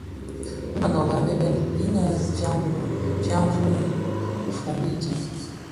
Bi mënōbi a Mbembe innë fyan fi dhifombi di.